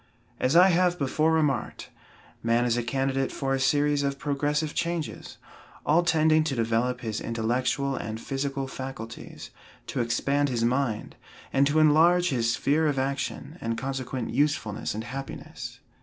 As I have before remarked, man is a candidate for a series of progressive changes, all tending to develop his intellectual and physical faculties, to expand his mind, and to enlarge his sphere of action, and consequent usefulness and happiness.